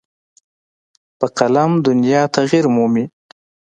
په قلم دنیا تغیر مومي.